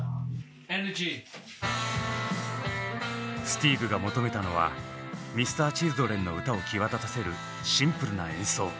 スティーヴが求めたのはＭｒ．Ｃｈｉｌｄｒｅｎの歌を際立たせるシンプルな演奏。